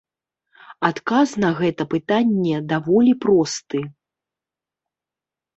Адказ на гэта пытанне даволі просты.